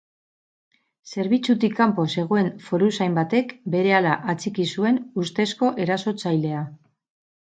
Zerbitzutik kanpo zegoen foruzain batek berehala atxiki zuen ustezko erasotzailea.